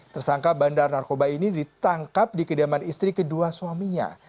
tersangka bandar narkoba ini ditangkap di kediaman istri kedua suaminya